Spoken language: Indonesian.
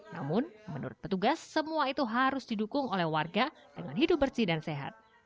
namun menurut petugas semua itu harus didukung oleh warga dengan hidup bersih dan sehat